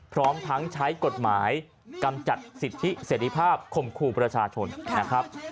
พร้อมทั้งใช้กฎหมายกำจัดสิทธิเสรีภาพข่มขู่ประชาชนนะครับ